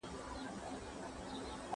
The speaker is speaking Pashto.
وليمه وکړه، که څه هم يو پسه وي.